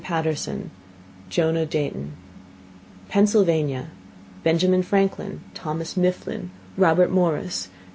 Paterson Jona: Dayton Pennsylvania B Franklin Thomas Mifflin Robt Morris Geo.